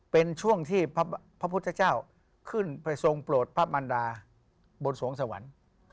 เป็นช่วงที่พระพุทธเจ้าขึ้นไปทรงโปรดพระมันดาบนสวงสวรรค์